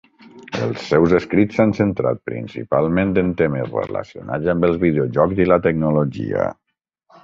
Els seus escrits s'han centrat principalment en temes relacionats amb els videojocs i la tecnologia.